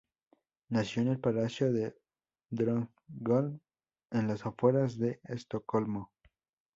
Nació en el Palacio de Drottningholm, en las afueras de Estocolmo.